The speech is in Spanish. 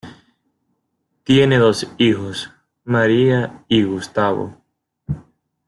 Tiene dos hijos, María y Gustavo.